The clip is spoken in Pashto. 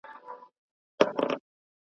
اوبه به را سي پکښي به ځغلي .